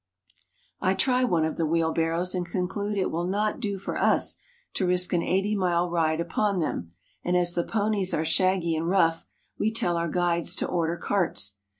120 ' CHINA I try one of the wheelbarrows, and conclude it will not do for us to risk an eighty mile ride upon them, and as the ponies are shaggy and rough, we tell our guides to order carts.